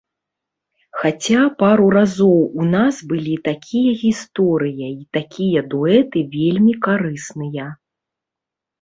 Хаця, пару разоў у нас былі такія гісторыі, і такія дуэты вельмі карысныя.